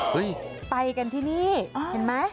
ไปกันที่นี่เห็นไหม